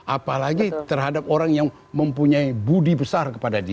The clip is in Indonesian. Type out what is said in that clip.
apalagi terhadap orang yang mempunyai budi besar kepada dia